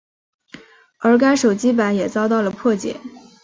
而该手机版也遭到了破解。